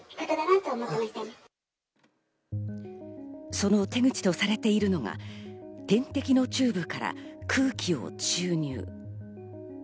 その手口とされているのが、点滴のチューブから空気を注入。